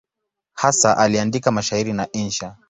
Hasa aliandika mashairi na insha.